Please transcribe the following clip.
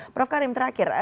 prof karim terakhir